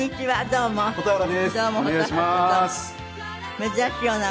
珍しいお名前です。